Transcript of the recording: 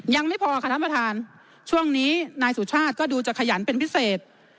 ยังไม่พอค่ะท่านประธานช่วงนี้นายสุชาติก็ดูจะขยันเป็นพิเศษ